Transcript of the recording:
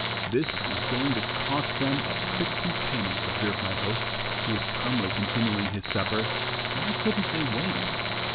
"This is going to cost them a pretty penny," observed my host, who was calmly continuing his supper; "why couldn't they wait?"